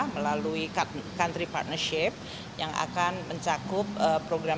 melalui country partnership yang akan mencakup program